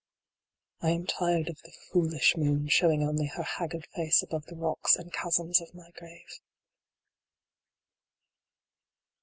I am tired of the foolish moon showing only her haggard face above the rocks and chasms of my grave.